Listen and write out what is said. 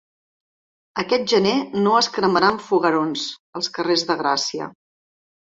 Aquest gener no es cremaran foguerons als carrers de Gràcia.